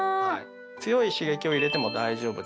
強い刺激を入れても大丈夫です。